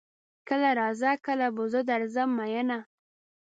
کله راځه کله به زه درځم ميينه